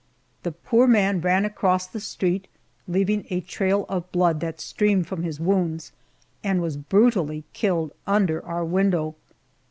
The poor man ran across the street, leaving a trail of blood that streamed from his wounds, and was brutally killed under our window.